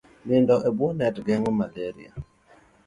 Nindo e bwo net geng'o malaria